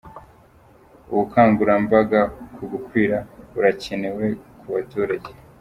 Ubukangurambaga ku kwigira burakenewe mu baturage.